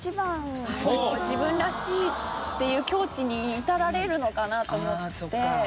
自分らしいっていう境地に至られるのかなと思って。